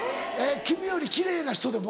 君より奇麗な人でも？